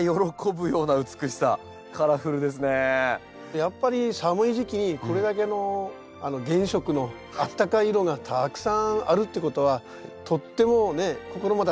やっぱり寒い時期にこれだけの原色のあったかい色がたくさんあるってことはとってもね心まであったかくなりますよね。